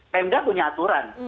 pmg punya aturan